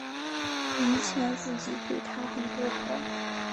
以前自己对她很不好